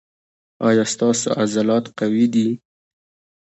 ایا ستاسو عضلات قوي دي؟